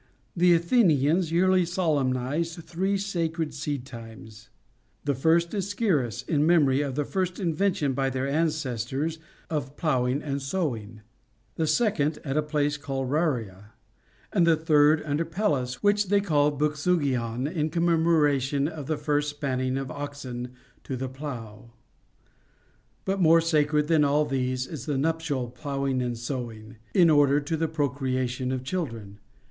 The Athenians yearly solemnized three sacred seed times : the first in Scirus, in memory of the first invention by their ancestors of ploughing and sowing ; the second at a place called Rharia ; and the third under Pelis, which they call Βονζνγυον in commemoration of the first spanning of oxen to the plough. But more sacred than all these is the nuptial ploughing and sowing, in order to the procrea tion of children.